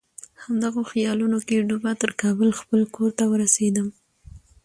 همدغو خیالونو کې ډوبه تر کابل خپل کور ته ورسېدم.